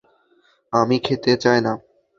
আমি খেতে চাই না।